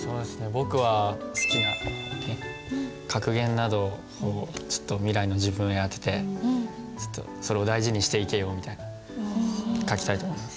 僕は好きな格言などをちょっと未来の自分へ宛てて「それを大事にしていけよ」みたいな書きたいと思います。